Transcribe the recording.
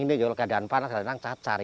ini juga keadaan panas kadang kadang cacar